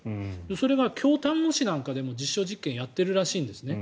それが京丹後市なんかでも実証実験をやっているらしいんですね。